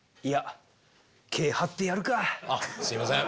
あっすいません。